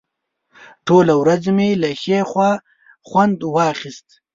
ټوله ورځ مې له ښې هوا خوند واخیست.